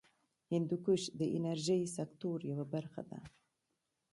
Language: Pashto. هندوکش د انرژۍ سکتور یوه برخه ده.